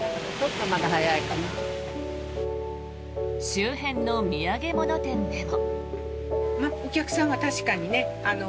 周辺の土産物店でも。